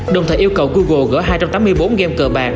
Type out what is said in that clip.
đồng thời yêu cầu google gỡ hai trăm tám mươi bốn game cờ bạc